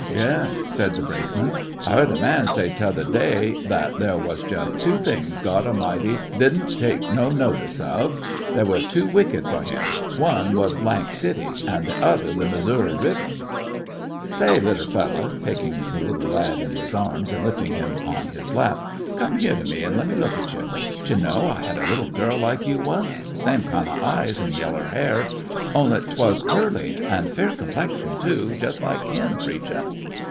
"Yes," said the brakeman. "I heard a man say t' other day that there was just two things God A'mighty did n't take no notice of. They were too wicked for him. One was City and the other the Missouri Kiver. One touch "Say, little feller," taking the little lad in his arms and lifting him on his lap, "come here to me an' lemme look at you. W ye know, I had a little girl like you once ; same kind of eyes, and yeller hair, only 't was curly— an' fair complexion^ too, just like him, preacher."